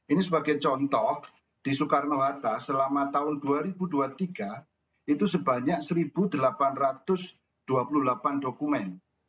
ini sebagai contoh di soekarno hatta selama tahun dua ribu dua puluh tiga itu sebanyak satu delapan ratus dua puluh delapan dokumen